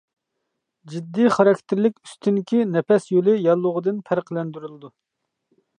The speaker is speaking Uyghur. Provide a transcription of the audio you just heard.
جىددىي خاراكتېرلىك ئۈستۈنكى نەپەس يولى ياللۇغىدىن پەرقلەندۈرۈلىدۇ.